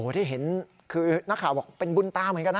ที่เห็นคือนักข่าวบอกเป็นบุญตาเหมือนกันนะ